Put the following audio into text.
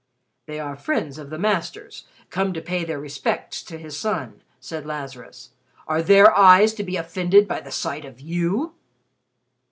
"They are friends of the Master's come to pay their respects to his son," said Lazarus. "Are their eyes to be offended by the sight of you?"